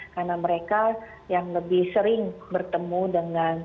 karena mereka yang lebih sering bertemu dengan